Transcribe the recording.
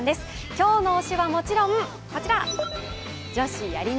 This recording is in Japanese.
今日の推しはもちろん、こちら。